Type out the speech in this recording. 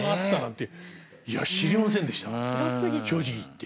正直言って。